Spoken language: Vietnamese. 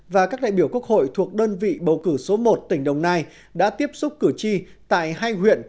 và các đại biểu quốc hội thuộc đơn vị bầu cử số một tỉnh đồng nai đã tiếp xúc cử tri tại hai huyện